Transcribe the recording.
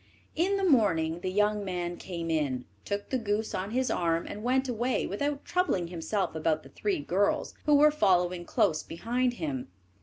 In the morning the young man came in, took the goose on his arm, and went away without troubling himself about the three girls, who were following close behind him.